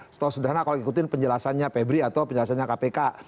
setau sederhana kalau ikutin penjelasannya febri atau penjelasannya kpk